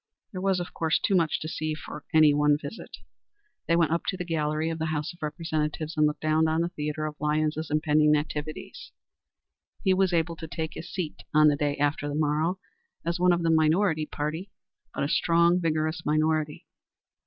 There was, of course, too much to see for any one visit. They went up to the gallery of the House of Representatives and looked down on the theatre of Lyons's impending activities. He was to take his seat on the day after the morrow as one of the minority party, but a strong, vigorous minority.